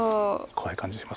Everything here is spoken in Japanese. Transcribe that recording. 怖い感じします。